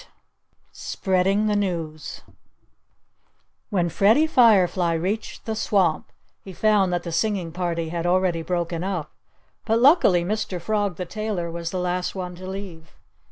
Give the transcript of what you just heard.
VIII SPREADING THE NEWS When Freddie Firefly reached the swamp he found that the singing party had already broken up. But luckily, Mr. Frog the tailor was the last one to leave.